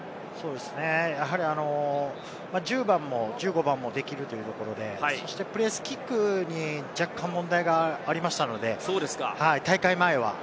やはり１０番も１５番もできるというところで、そしてプレースキックに若干問題がありましたので、大会前は。